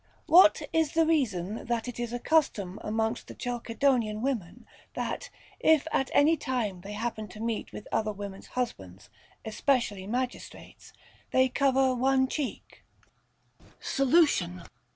What is the reason that it is a custom amongst the Chalcedonian women, that, if at any time they happen to meet with other women's husbands, especially magistrates, they cover one cheek \ Solution.